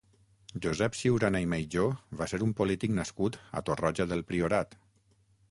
Josep Ciurana i Maijó va ser un polític nascut a Torroja del Priorat.